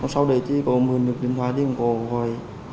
sau đấy chỉ có một mươi đứa điện thoại đi không có hỏi